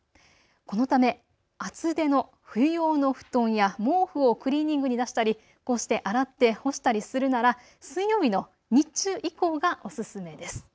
このため厚手の冬用の布団や毛布をクリーニングに出したりこうして洗って干したりするなら水曜日の日中以降がおすすめです。